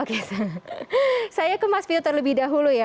oke saya ke mas vito terlebih dahulu ya